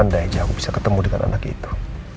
andai aja aku bisa ketemu dengan anak itu